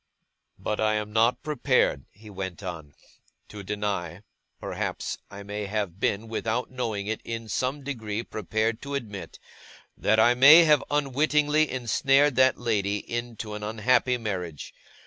'But I am not prepared,' he went on, 'to deny perhaps I may have been, without knowing it, in some degree prepared to admit that I may have unwittingly ensnared that lady into an unhappy marriage.